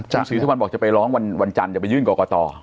คุณศรีสุวรรณบอกจะไปร้องวันจันทร์จะไปยื่นกรกต